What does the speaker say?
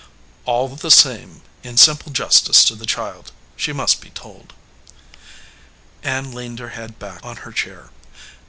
"All the same, in simple justice to the child, she must be told." Ann leaned her head back on her chair.